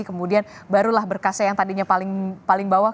kemudian barulah berkasnya yang tadinya paling bawah